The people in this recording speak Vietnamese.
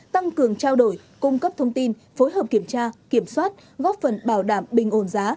tăng cường trao đổi cung cấp thông tin phối hợp kiểm tra kiểm soát góp phần bảo đảm bình ổn giá